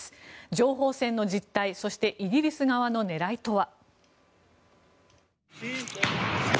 情報戦の実態そしてイギリス側の狙いとは。